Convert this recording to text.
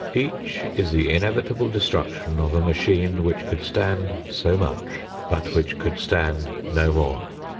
Each is the inevitable destruction of a machine which could stand so much, but which could stand no more.